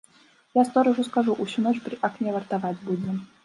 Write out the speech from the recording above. Я сторажу скажу, усю ноч пры акне вартаваць будзе.